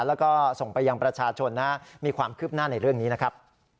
แล้วก็ส่งไปยังประชาชนมีความคืบหน้าในเรื่องนี้นะครับ